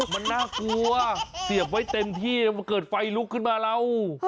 มันน่ากลัวเสียบไว้เต็มที่มันเกิดไฟลุกขึ้นมาเรา